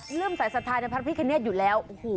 เริ่มสายสะทายมันพระพิกเนธอยู่แล้ว